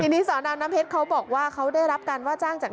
ทีนี้สอนอน้ำเพชรเขาบอกว่าเขาได้รับการว่าจ้างจาก